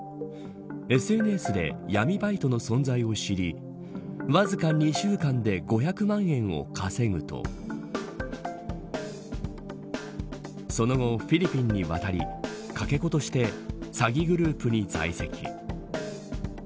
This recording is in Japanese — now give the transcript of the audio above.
ＳＮＳで闇バイトの存在を知りわずか２週間で５００万円を稼ぐとその後、フィリピンに渡りかけ子として詐欺グループに在籍。